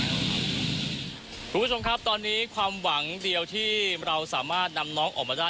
คุณผู้ชมครับตอนนี้ความหวังเดียวที่เราสามารถนำน้องออกมาได้